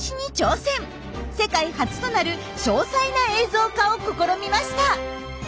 世界初となる詳細な映像化を試みました。